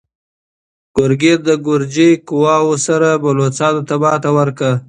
ګورګین د ګرجي قواوو سره بلوڅانو ته ماتې ورکړه.